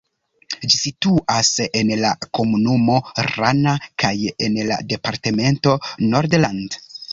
Ĝi situas en la komunumo Rana kaj en la departemento Nordland.